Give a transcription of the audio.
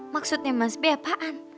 maksudnya mas b apaan